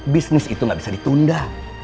bisnis itu gak bisa ditunda